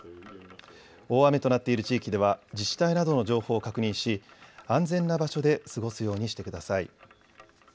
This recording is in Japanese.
大雨となっている地域では自治体などの情報を確認し安全な場所で過ごすようにしてください。